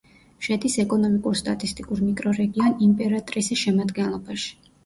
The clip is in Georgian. შედის ეკონომიკურ-სტატისტიკურ მიკრორეგიონ იმპერატრისი შემადგენლობაში.